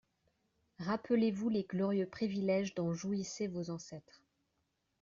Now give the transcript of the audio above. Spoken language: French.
Rappelez-vous les glorieux privilèges dont jouissaient vos ancêtres.